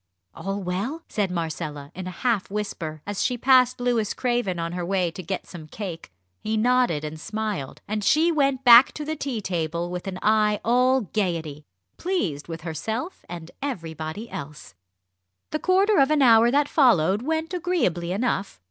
"All well?" said Marcella, in a half whisper, as she passed Louis Craven on her way to get some cake. He nodded and smiled, and she went back to the tea table with an eye all gaiety, pleased with herself and everybody else. The quarter of an hour that followed went agreeably enough.